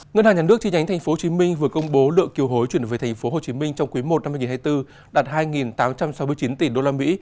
ngân hàng nhà nước chi nhánh tp hcm vừa công bố lượng kiều hối chuyển về tp hcm trong quý i năm hai nghìn hai mươi bốn đạt hai tám trăm sáu mươi chín tỷ đô la mỹ